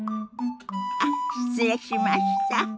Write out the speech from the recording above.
あっ失礼しました。